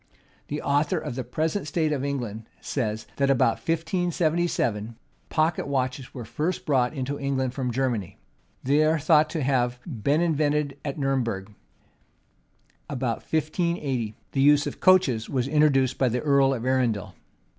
The author of the Present State of England, says, that about 1577, pocket watches were first brought into England from Germany. They are thought to have been invented at Nurem berg. About 1580, the use of coaches was introduced by the earl of Arundel.